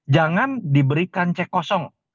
jangan diberikan cek kosong